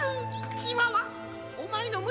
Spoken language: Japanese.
チワワおまえのむ